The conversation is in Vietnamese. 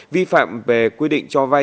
vi phạm về quy định cho vay